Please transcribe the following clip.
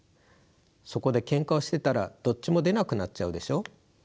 そこでケンカをしてたらどっちも出なくなっちゃうでしょう？